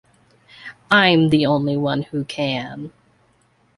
I'm the only one who can.